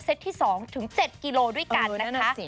เซตที่๒ถึง๗กิโลด้วยกัน